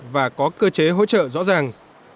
và có cơ chế hỗ trợ rõ ràng